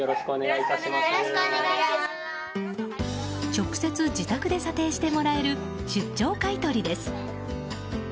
直接自宅で査定してもらえる出張買い取りです。